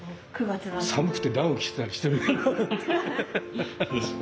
寒くてダウン着てたりしてねなんて。